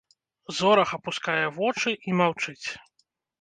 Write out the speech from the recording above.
Зорах апускае вочы і маўчыць.